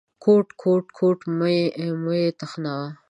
_کوټ، کوټ، کوټ… مه مې تخنوه.